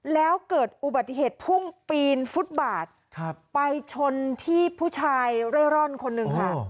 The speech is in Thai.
แล้วเกิดอุบัติเหตุพุ่งปีนฟุตบาทไปชนที่ผู้ชายเร่ร่อนคนหนึ่งค่ะ